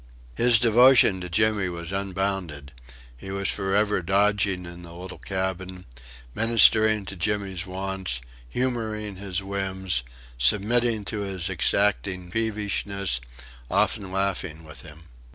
His devotion to Jimmy was unbounded. He was for ever dodging in the little cabin, ministering to Jimmy's wants, humouring his whims, submitting to his exacting peevishness, often laughing with him.